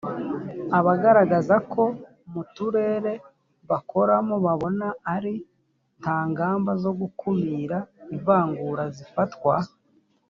abagaragaza ko mu turere bakoramo babona ari nta ngamba zo gukumira ivangura zifatwa